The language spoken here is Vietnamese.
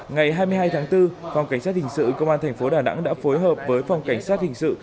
ngày hai mươi hai tháng bốn phòng cảnh sát hình sự công an thành phố đà nẵng đã phối hợp với phòng cảnh sát hình sự